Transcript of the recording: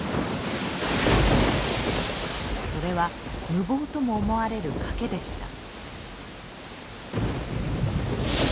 それは無謀とも思われる賭けでした。